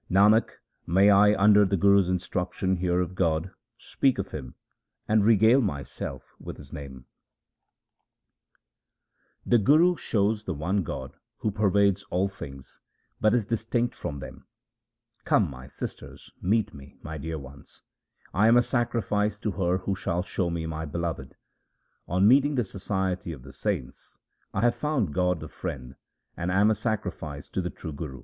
Nanak, may 1 under the Guru's instruction hear of God, speak of Him, and regale myself with His name ! HYMNS OF GURU RAM DAS 291 The Guru shows the one God who pervades all things but is distinct from them :— Come, my sisters, meet me, my dear ones : I am a sacrifice to her who shall show me my Beloved. On meeting the society of the saints I have found God the Friend, and am a sacrifice to the true Guru.